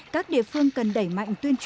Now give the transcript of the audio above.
các địa phương cần đẩy mạnh tuyên truyền dịch